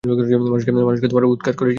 মানুষকে তা উৎখাত করেছিল।